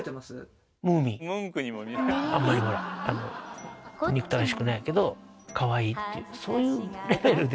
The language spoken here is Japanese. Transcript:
あんまりほらあの憎たらしくないけどかわいいっていうそういうレベルですね。